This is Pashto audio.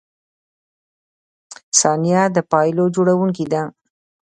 • ثانیه د پایلو جوړونکی ده.